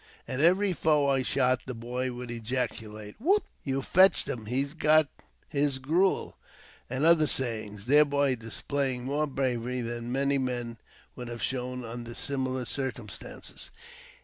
At every foe I shot the boy would ejaculate, " Whoop ! you fetched him ; he's got his gruel," and other sayings, thereby displaying more JAMES P. BECKWOUBTH. 397 bravery than many men would have shov^n under similar cir cumstances.